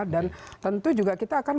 dan tentu juga kita akan